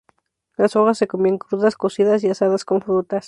Las hojas se comían crudas, cocidas y asadas con frutas.